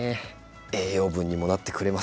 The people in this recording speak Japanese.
栄養分にもなってくれます。